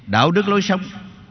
đạo đức lối sống